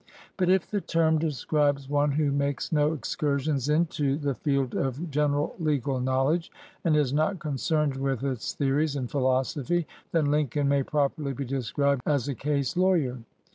But if the term describes one who makes no excursions into the 129 LINCOLN THE LAWYER field of general legal knowledge and is not con cerned with its theories and philosophy, then Lin coln may properly be described as a case law yer.